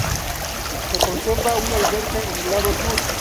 Se conserva una alberca en el lado sur.